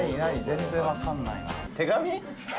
全然分かんないな。